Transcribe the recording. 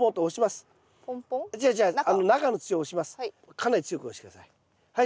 かなり強く押して下さい。